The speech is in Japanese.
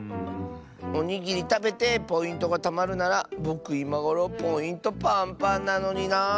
おにぎりたべてポイントがたまるならぼくいまごろポイントパンパンなのにな。